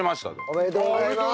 おめでとうございます。